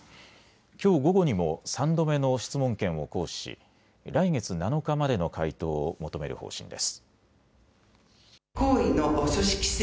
きょう午後にも３度目の質問権を行使し、来月７日までの回答を求める方針です。